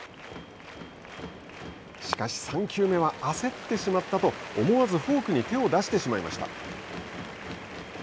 しかし、３球目は焦ってしまったと思わずフォークに手を出してしまいました。